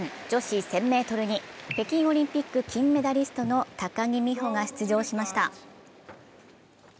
女子１０００ｍに北京オリンピック金メダリストの高木美帆が出場しました。